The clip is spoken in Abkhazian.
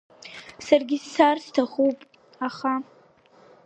Саргьы сцар сҭахуп, аха…